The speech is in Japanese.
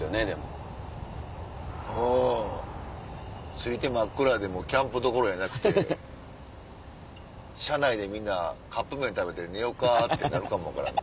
着いて真っ暗でキャンプどころやなくて車内でみんなカップ麺食べて寝ようかってなるかも分からん。